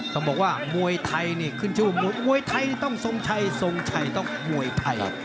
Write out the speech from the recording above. ต้องบอกว่ามวยไทยนี่ขึ้นชื่อว่ามวยไทยต้องทรงชัยทรงชัยต้องมวยไทย